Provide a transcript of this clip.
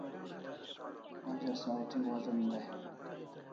Onja saw thi wazan dai